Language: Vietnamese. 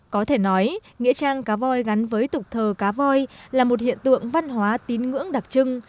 có thể nói nghĩa trang cá voi gắn với tục thờ cá voi là một hiện tượng văn hóa tín ngưỡng đặc trưng